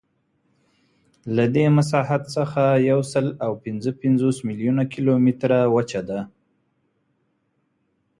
له دې مساحت څخه یوسلاوپینځهپنځوس میلیونه کیلومتره وچه ده.